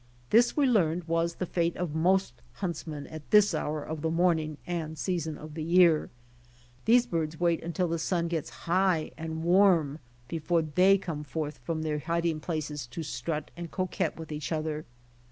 This we learned was the fate of most huntsmen at this hour of the morning and season of the year. These birds wait until the sun gets high and warm before they come forth from their hiding places to strut and coquette with each other.